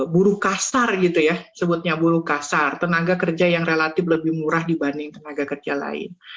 buruh kasar gitu ya sebutnya buruh kasar tenaga kerja yang relatif lebih murah dibanding tenaga kerja lain